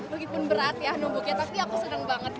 meskipun berat ya numbuknya tapi aku senang banget